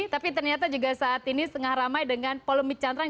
tapi ternyata juga saat ini tengah ramai dengan polemik cantrang